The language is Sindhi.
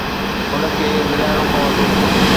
ان کي ملائڻو پوندو.